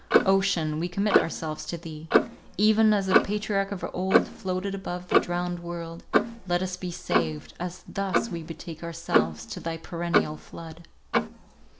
Ocean, we commit ourselves to thee —even as the patriarch of old floated above the drowned world, let us be saved, as thus we betake ourselves to thy perennial flood.